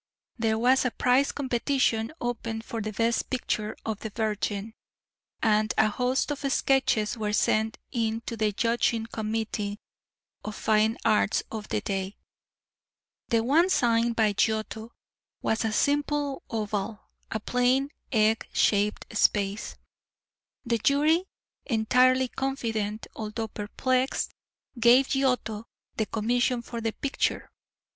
There was a prize competition opened for the best picture of the Virgin, and a host of sketches were sent in to the judging committee of fine arts of the day. The one signed by Giotto was a simple oval, a plain, egg shaped space. The jury entirely confident, although perplexed, gave Giotto the commission for the picture.